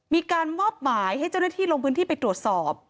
มีการมอบหมายให้เจ้าหน้าที่ลงพื้นที่ไปตรวจสอบ